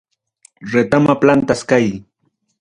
Retama plantas qay.